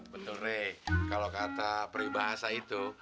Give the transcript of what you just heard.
betul re kalo kata pribahasa itu